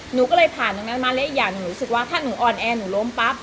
หนูก็เลยผ่านตรงนั้นมาและอีกอย่างหนูรู้สึกว่าถ้าหนูอ่อนแอหนูล้มปั๊บ